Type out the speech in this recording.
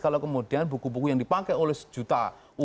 kalau kemudian buku buku yang dipakai oleh sejuta